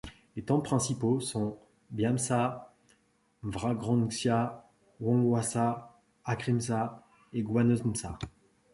Les temples principaux sont Biamsa, Hwangryongsa, Yeonhwasa, Hakrimsa et Gwaneumsa.